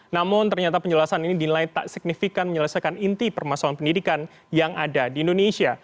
namun ternyata penjelasan ini dinilai tak signifikan menyelesaikan inti permasalahan pendidikan yang ada di indonesia